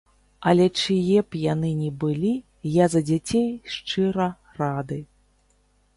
Але чые б яны ні былі, я за дзяцей шчыра рады.